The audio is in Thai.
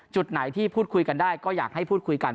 จุดไหนที่พูดคุยกันได้ก็อยากให้พูดคุยกัน